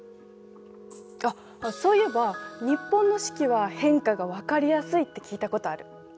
あっそういえば日本の四季は変化が分かりやすいって聞いたことある。